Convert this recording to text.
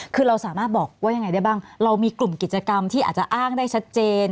คือเราสามารถบอกว่ายังไงได้บ้างเรามีกลุ่มกิจกรรมที่อาจจะอ้างได้ชัดเจน